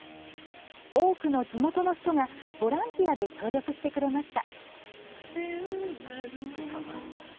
多くの地元の人がボランティアで協力してくれました。